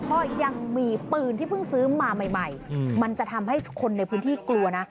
ก็ยังมีปืนที่เพิ่งซื้อมาใหม่มันจะทำให้คนในพื้นที่กลัวนะ